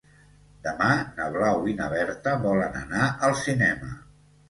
Demà na Blau i na Berta volen anar al cinema.